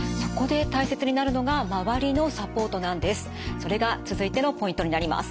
それが続いてのポイントになります。